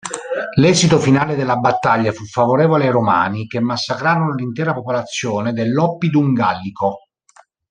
L'esito finale della battaglia fu favorevole ai romani, che massacrarono l'intera popolazione dell'oppidum gallico.